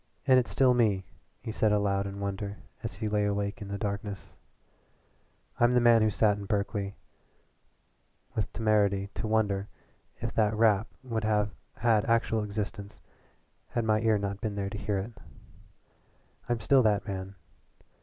"And it's still me," he said aloud in wonder as he lay awake in the darkness. "I'm the man who sat in Berkeley with temerity to wonder if that rap would have had actual existence had my ear not been there to hear it. I'm still that man.